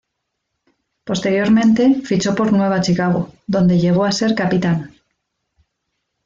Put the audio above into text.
Posteriormente fichó por Nueva Chicago, donde llegó a ser capitán.